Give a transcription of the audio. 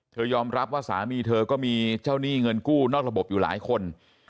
ยอมรับว่าสามีเธอก็มีเจ้าหนี้เงินกู้นอกระบบอยู่หลายคน